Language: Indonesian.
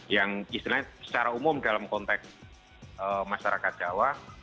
yang istilahnya secara umum dalam konteks masyarakat jawa